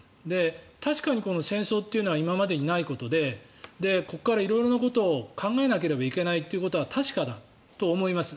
確かに、この戦争というのは今までにないことでここから色々なことを考えなければいけないということは確かだと思います。